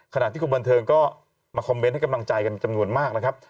ขณะที่คุณบนเทิงก็มาคอมเมนท์กำลังใจให้จำนวนมาก